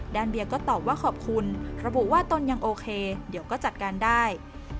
เบียร์ก็ตอบว่าขอบคุณระบุว่าตนยังโอเคเดี๋ยวก็จัดการได้